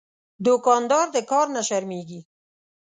دوکاندار د کار نه شرمېږي.